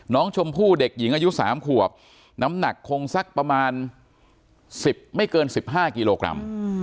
น้องชมพู่เด็กหญิงอายุ๓ขวบน้ำหนักคงสักประมาณ๑๐ไม่เกิน๑๕กิโลกรัม